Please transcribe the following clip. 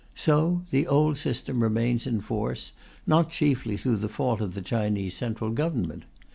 So the old system remains in force, not chiefly through the fault of the Chinese central government.